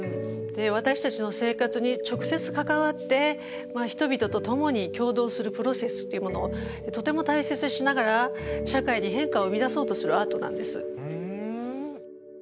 私たちの生活に直接関わって人々と共に協働するプロセスっていうものをとても大切にしながら社会に変化を生み出そうとするアートなんです。